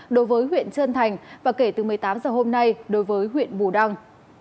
đối với huyện trơn thành và kể từ một mươi tám h hôm nay đối với huyện bù đăng